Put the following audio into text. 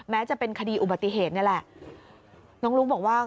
แม้จะเป็นคดีอุบัติเหตุเนี่ยแหละ